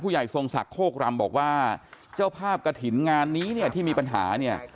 ผู้ใหญ่สงสักโฆกรำบอกว่าเจ้าภาพกะถินงานนี้นี่ที่มีปัญหา